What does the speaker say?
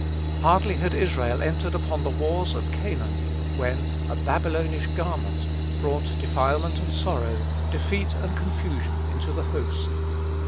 Hardly had Israel entered upon the wars of Canaan, when "a Babylonish garment" brought defilement and sorrow, defeat and confusion, into the host.